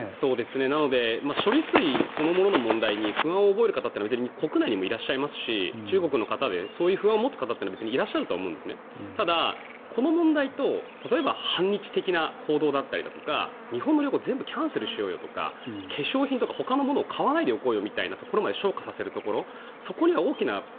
なので処理水そのものの問題に不安を覚える方っていうのは国内にもいますし中国の方でそういう不安を持つ方も別にいらっしゃるとは思うんですがただ、この問題と例えば反日的な行動だったりとか日本の旅行を全部キャンセルしようとか化粧品とかほかのものを買わないでおこうみたいなところまで昇華させること